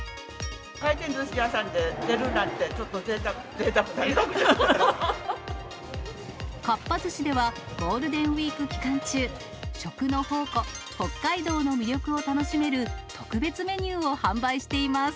回転ずし屋さんで出るなんて、かっぱ寿司ではゴールデンウィーク期間中、食の宝庫、北海道の魅力を楽しめる特別メニューを販売しています。